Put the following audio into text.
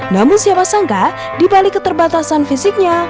namun siapa sangka dibalik keterbatasan fisiknya